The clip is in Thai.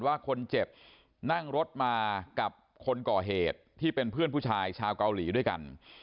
ว่าคนเจ็บนั่งรถมากับคนก่อเหตุที่เป็นเพื่อนผู้ชายชาวเกาหลีด้วยกัน